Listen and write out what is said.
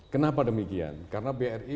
kenapa demikian karena bri